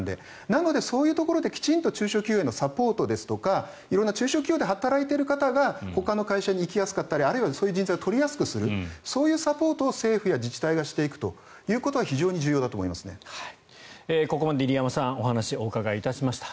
なので、そういうところで中小企業へのサポートですとか色んな中小企業で働いている方がほかの会社に行きやすかったりあるいはそういう人材を取りやすくするそういうサポートを政府や自治体がしていくことはここまで入山さんにお話をお伺いしました。